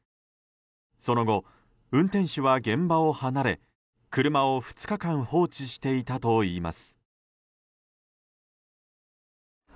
その後、運転手は現場を離れ車を２日間放置していたといいます。